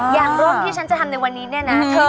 อย่างร่มที่ฉันจะทำในวันนี้เนี่ยนะ